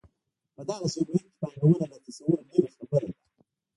په دغسې یو محیط کې پانګونه له تصوره لرې خبره ده.